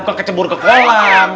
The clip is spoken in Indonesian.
bukan kecebur ke kolam